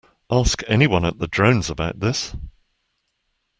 Ask anyone at the Drones about this.